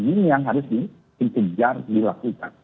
ini yang harus dikejar dilakukan